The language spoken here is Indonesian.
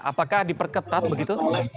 apakah diperketat begitu